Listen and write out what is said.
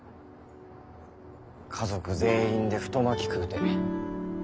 家族全員で太巻き食うて。